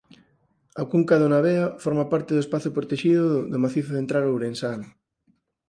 A cunca do Navea forma parte do espazo protexido do Macizo Central ourensán.